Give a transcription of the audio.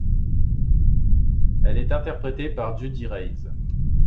Elle est interprétée par Judy Reyes.